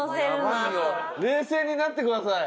冷静になってください。